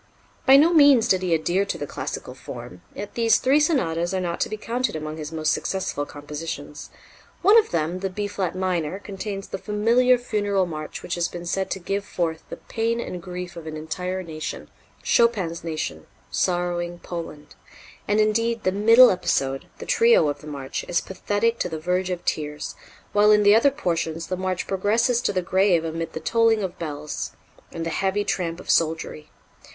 By no means did he adhere to the classical form; yet these three sonatas are not to be counted among his most successful compositions. One of them, the B flat minor, contains the familiar funeral march which has been said to "give forth the pain and grief of an entire nation" Chopin's nation, sorrowing Poland; and, indeed, the middle episode, the trio of the march, is pathetic to the verge of tears, while in the other portions the march progresses to the grave amid the tolling of bells and the heavy tramp of soldiery.